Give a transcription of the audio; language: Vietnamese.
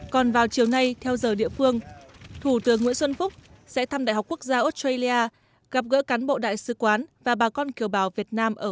còn vào chiều nay theo giờ địa phương thủ tướng nguyễn xuân phúc sẽ thăm đại học quốc gia australia gặp gỡ cán bộ đại sứ quán và bà con kiều bào việt nam ở